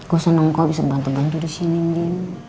gue seneng kok bisa bantuin bantuin disini